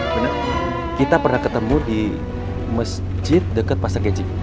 sinner kita pernah ketemu di mesjid deket pasa kecik